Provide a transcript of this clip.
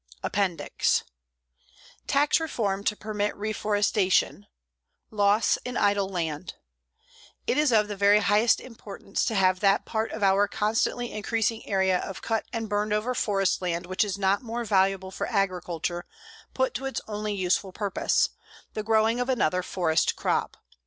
APPENDIX TAX REFORM TO PERMIT REFORESTATION LOSS IN IDLE LAND It is of the very highest importance to have that part of our constantly increasing area of cut and burned over forest land which is not more valuable for agriculture put to its only useful purpose the growing of another forest crop.